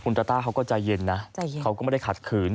ตาต้าเขาก็ใจเย็นนะเขาก็ไม่ได้ขัดขืน